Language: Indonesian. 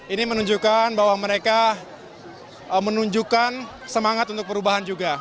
ini menunjukkan bahwa mereka menunjukkan semangat untuk perubahan juga